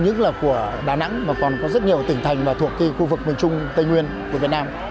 nhất là của đà nẵng mà còn có rất nhiều tỉnh thành mà thuộc khu vực miền trung tây nguyên của việt nam